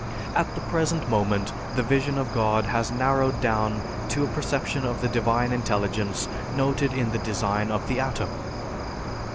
At the present moment the vision of God has narrowed down to a perception of the divine intelligence noted in the design of the atom.